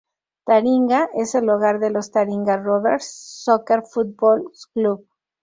Taringa es el hogar de los Taringa Rovers Soccer Football Club.